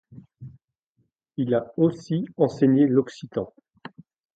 Il a aussi enseigné l'occitan.